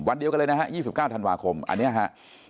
วันเดียวกันเลยนะฮะ๒๙ธันวาคมอันนี้ครับ